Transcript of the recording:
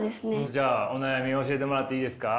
じゃあお悩み教えてもらっていいですか。